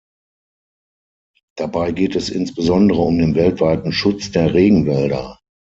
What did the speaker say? Dabei geht es insbesondere um den weltweiten Schutz der Regenwälder.